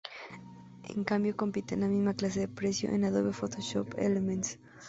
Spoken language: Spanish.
En cambio, compite en la misma clase de precio con Adobe Photoshop Elements.